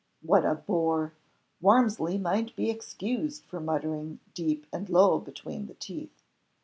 "What a bore!" Warmsley might be excused for muttering deep and low between the teeth.